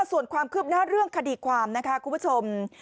ส่วนความคืบหน้าเรื่องคดีความนะคะคุณผู้ชม